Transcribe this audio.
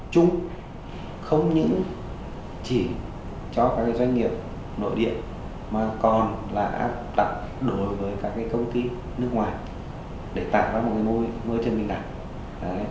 trung không những chỉ cho các doanh nghiệp nội địa mà còn là áp đặt đối với các công ty nước ngoài để tạo ra một cái môi trường bình đẳng